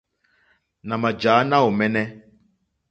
Nà mà jǎ náòmɛ́nɛ́.